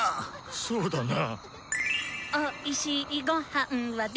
そうだな。